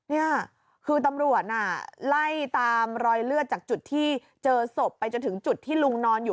นี่คือตำรวจน่ะไล่ตามรอยเลือดจากจุดที่เจอศพไปจนถึงจุดที่ลุงนอนอยู่